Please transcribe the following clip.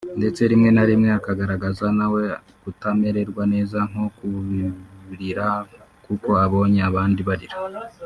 ndetse rimwe na rimwe akagaragaza nawe kutamererwa neza nko kurira kuko abonye abandi barira